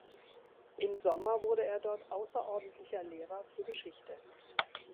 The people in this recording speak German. Im Sommer wurde er dort außerordentlicher Lehrer für Geschichte.